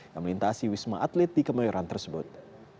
yang melintasi wisma atlet di kemayoran tersebut